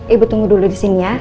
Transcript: ibu tunggu dulu disini ya